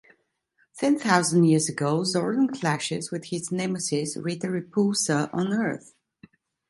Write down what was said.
Ten thousand years ago, Zordon clashes with his nemesis, Rita Repulsa, on Earth.